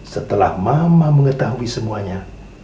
setelah mama mengetahui semuanya